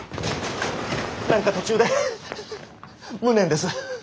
何か途中で無念です。